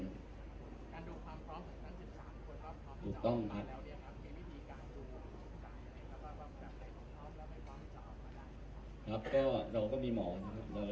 การดูความซ้อมความสักสิบสามความสักสิบสามความสักสิบสามความสักสิบสาม